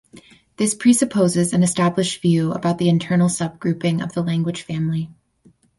This presupposes an established view about the internal subgrouping of the language family.